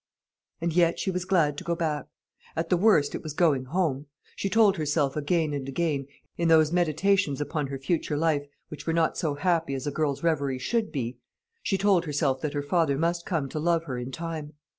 And yet she was glad to go back. At the worst it was going home. She told herself again and again, in those meditations upon her future life which were not so happy as a girl's reveries should be, she told herself that her father must come to love her in time.